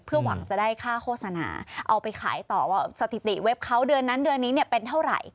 หวังจะได้ค่าโฆษณาเอาไปขายต่อว่าสถิติเว็บเขาเดือนนั้นเดือนนี้เนี่ยเป็นเท่าไหร่